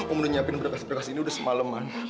om udah nyiapin berkas berkas ini udah semaleman